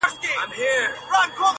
پهدهپسېويثوابونهيېدلېپاتهسي,